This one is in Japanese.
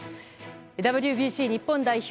ＷＢＣ日本代表